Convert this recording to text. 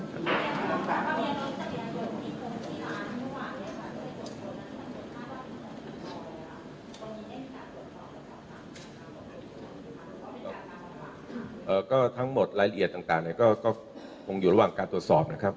ก็ทั้งหมดรายละเอียดต่างก็คงอยู่ระหว่างการตรวจสอบนะครับ